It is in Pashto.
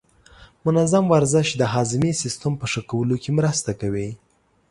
منظم ورزش د هاضمې سیستم په ښه کولو کې مرسته کوي.